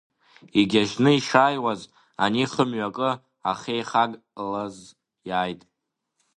Игьажьны ишааиуаз ани хымҩакы ахеихагалаз иааит.